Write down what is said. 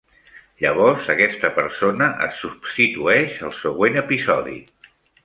Llavors aquesta persona es substitueix al següent episodi.